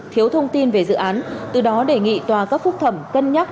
thiếu thông tin về dự án từ đó đề nghị tòa cấp phúc thẩm cân nhắc